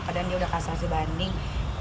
padahal dia udah kasasi banding